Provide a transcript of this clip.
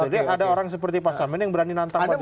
jadi ada orang seperti pak samini yang berani nantang pak jokowi